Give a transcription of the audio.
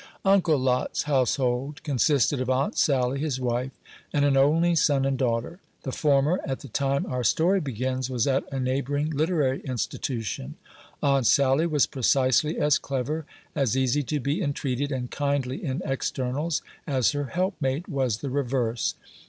Uncle Lot's household consisted of Aunt Sally, his wife, and an only son and daughter; the former, at the time our story begins, was at a neighboring literary institution. Aunt Sally was precisely as clever, as easy to be entreated, and kindly in externals, as her helpmate was the reverse.